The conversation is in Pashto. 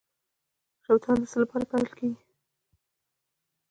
شوتله د څه لپاره کرل کیږي؟